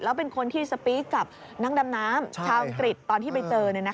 แล้วเป็นคนที่สปีกกับนักดำน้ำชาวอังกฤษตอนที่ไปเจอ